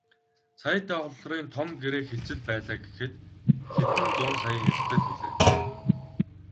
Сая долларын том гэрээ хэлцэл байлаа гэхэд хэдэн зуун саяын эрсдэл хүлээнэ.